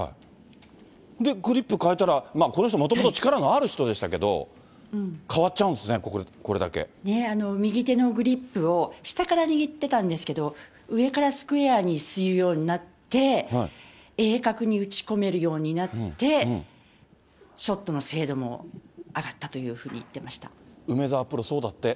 で、グリップ変えたら、まあ、この人もともと力のある人でしたけど、変わっちゃうんですね、こ右手のグリップを、下から握ってたんですけど、上からスクエアにするようになって、鋭角に打ち込めるようになって、ショットの精度も上がったというふうに言ってました。